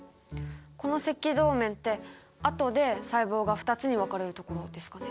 この赤道面って後で細胞が２つに分かれるところですかね？